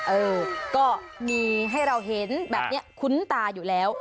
เออก็มีให้เราเห็นแบบนี้คุ้นตาอยู่แล้ว